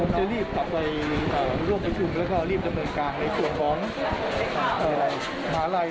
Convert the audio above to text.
ผมจะรีบกลับไปร่วมพยุมและรีบเงินกลางในกลวงของฮหนาลัย